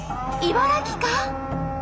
茨城か？